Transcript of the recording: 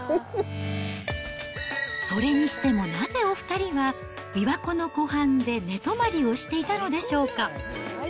それにしてもなぜお２人は、琵琶湖の湖畔で寝泊まりをしていたのでしょうか。